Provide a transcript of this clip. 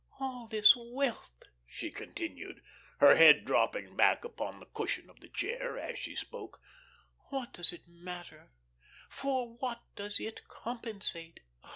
"All this wealth," she continued, her head dropping back upon the cushion of the chair as she spoke, "what does it matter; for what does it compensate?